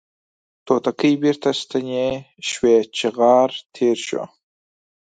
توتکۍ بیرته ستنې شوې چغار تیر شو